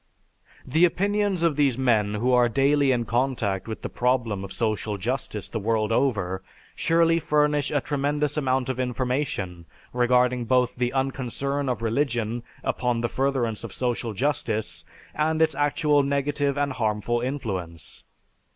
The opinions of these men who are daily in contact with the problem of social justice the world over surely furnish a tremendous amount of information regarding both the unconcern of religion upon the furtherance of social justice and its actual negative and harmful influence.